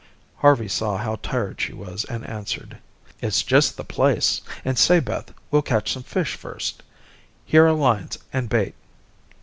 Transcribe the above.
Harvey saw how tired she was and answered: "It's just the place, and say, Beth, we'll catch some fish, first. Here are lines and bait."